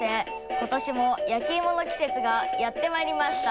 今年も焼き芋の季節がやってまいりました。